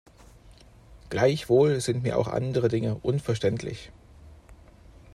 Gleichwohl sind mir auch andere Dinge unverständlich.